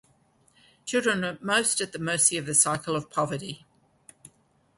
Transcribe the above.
Children are most at the mercy of the cycle of poverty.